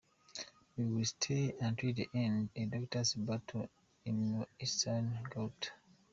We will stay until the end’: A doctor’s battle in Eastern Ghouta.